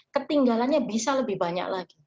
ketinggalannya bisa lebih banyak lagi